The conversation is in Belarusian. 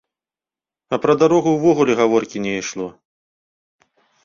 А пра дарогу ўвогуле гаворкі не ішло!